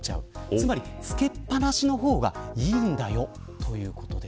つまり、つけっぱなしの方がいいということです。